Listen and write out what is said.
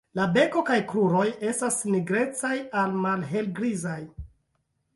La beko kaj kruroj estas nigrecaj al malhelgrizaj.